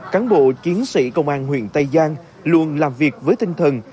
cán bộ chiến sĩ công an huyện tây giang luôn làm việc với tinh thần